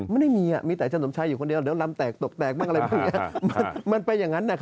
ไม่ได้มีอะมีแต่จนสมชายอยู่คนเดียวเดี๋ยวลำแตกตกแตกบ้างอะไรมันไปอย่างนั้นนะ